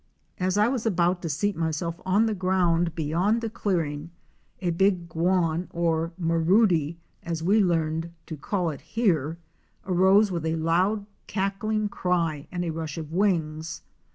As I was about to seat myself on the ground beyond the clearing, a big Guan* or Maroodie, as we learned to call it here, arose with a loud cackling cry and a rush of wings.